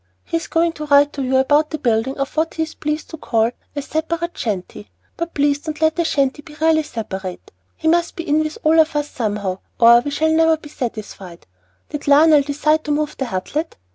He is going to write to you about the building of what he is pleased to call 'a separate shanty;' but please don't let the shanty be really separate; he must be in with all of us somehow, or we shall never be satisfied. Did Lionel decide to move the Hutlet?